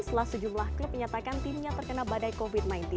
setelah sejumlah klub menyatakan timnya terkena badai covid sembilan belas